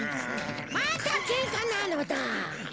またケンカなのだ。